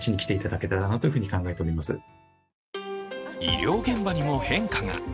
医療現場にも変化が。